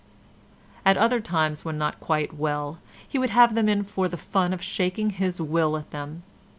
At other times when not quite well he would have them in for the fun of shaking his will at them.